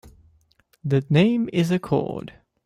The name is a cord.